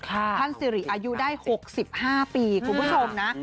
ท่านสิริอายุได้๖๕ปีคุณผู้ชมนะ